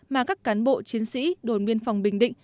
mà các cán bộ chiến sĩ đồn biên phòng bình định